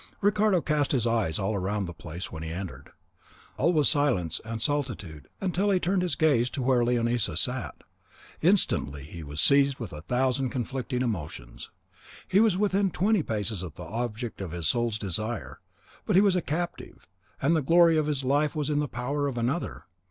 Ricardo cast his eyes all round the place when he entered; all was silence and solitude till he turned his gaze to where Leonisa sat. Instantly he was seized with a thousand conflicting emotions. He was within twenty paces of the object of his soul's desire; but he was a captive, and the glory of his life was in the power of another.